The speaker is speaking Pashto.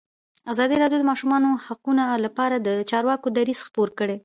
ازادي راډیو د د ماشومانو حقونه لپاره د چارواکو دریځ خپور کړی.